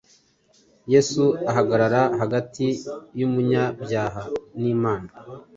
Yesu ahagarara hagati y’umunyabyaha n’Imana